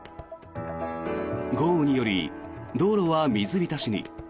豪雨により道路は水浸しに。